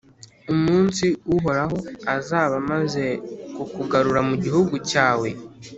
Umunsi Uhoraho azaba amaze kukugarura mu gihugu cyawe,